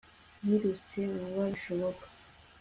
yirutse vuba bishoboka